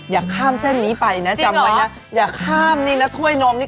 อย่าข้ามเส้นนี้ไปนะจำไว้นะอย่าข้ามนี่นะถ้วยนมนี่